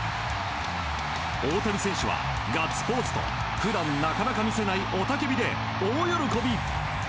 大谷選手は、ガッツポーズと普段なかなか見せない雄たけびで大喜び！